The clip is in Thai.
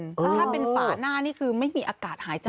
ถ้าเป็นฝาหน้านี่คือไม่มีอากาศหายใจ